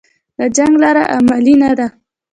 د جنګ لاره عملي نه ده